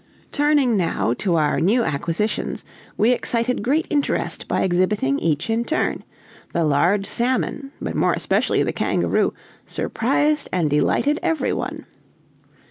Turning now to our new acquisitions, we excited great interest by exhibiting each in turn; the large salmon, but more especially the kangaroo, surprised and delighted every one.